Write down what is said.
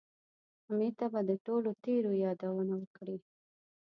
امیر ته به د ټولو تېریو یادونه وکړي.